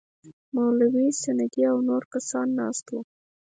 مولوي سندی او نور کسان ناست وو.